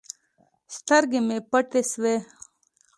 سترګې مې پټې سوې.